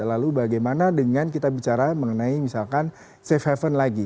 lalu bagaimana dengan kita bicara mengenai misalkan safe haven lagi